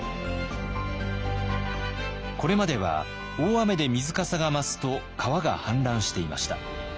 これまでは大雨で水かさが増すと川が氾濫していました。